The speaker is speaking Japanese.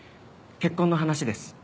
結婚の話です。